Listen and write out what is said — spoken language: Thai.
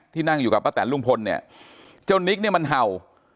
นั่งอยู่กับป้าแตนลุงพลเนี่ยเจ้านิกเนี่ยมันเห่า